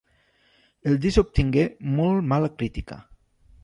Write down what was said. El disc obtingué molt mala crítica.